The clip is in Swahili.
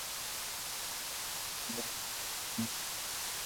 Ndiyo hatua ya kwanza kuelekea elimu rasmi.